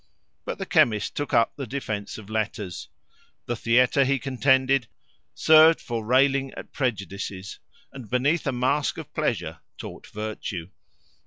But the chemist took up the defence of letters. The theatre, he contended, served for railing at prejudices, and, beneath a mask of pleasure, taught virtue.